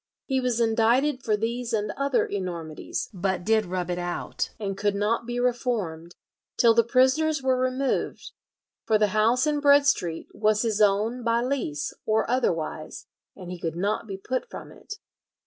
He was indicted for these and other enormities, "but did rub it out, and could not be reformed, till the prisoners were removed; for the house in Bread Street was his own by lease or otherwise, and he could not be put from it."